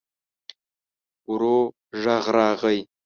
ورو غږ راغی.